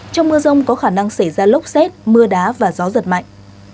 trong mưa rông có khả năng xảy ra lốc xét mưa đá và gió giật mạnh